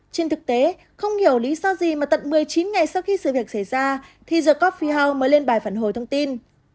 trên thực tế không hiểu lý do gì mà tận một mươi chín ngày sau khi sự việc xảy ra thì the cop fi house mới lên bài phản hồi thông tin